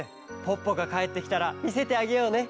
ポッポがかえってきたらみせてあげようね！